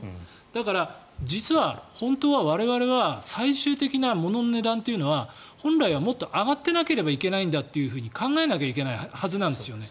だから、実は本当は我々は最終的な物の値段というのは本来はもっと上がっていなければいけないんだと考えなきゃいけないはずなんですよね。